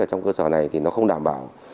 trong cơ sở này thì nó không đảm bảo